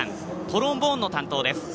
トロンボーンの担当です。